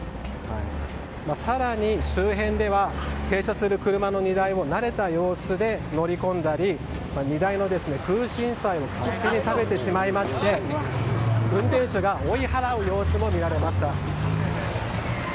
更に、周辺では停車する車の荷台を慣れた様子で乗り込んだり荷台のクウシンサイを勝手に食べてしまいまして運転手が追い払う様子も見られました。